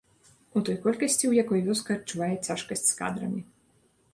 У той колькасці, у якой вёска адчувае цяжкасць з кадрамі.